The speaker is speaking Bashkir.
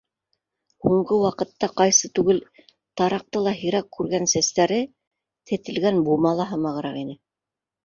Һуңғы ваҡытта ҡайсы түгел, тараҡты ла һирәк күргән сәстәре тетелгән бумала һымағыраҡ ине.